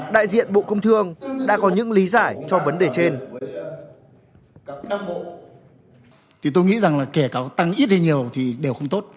đại diện bộ công thương đã có những lý giải cho vấn đề trên